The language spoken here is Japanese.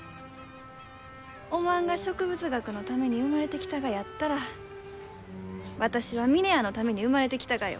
おまんが植物学のために生まれてきたがやったら私は峰屋のために生まれてきたがよ。